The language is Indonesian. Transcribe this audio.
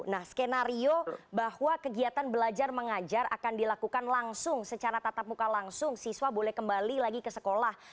nah skenario bahwa kegiatan belajar mengajar akan dilakukan langsung secara tatap muka langsung siswa boleh kembali lagi ke sekolah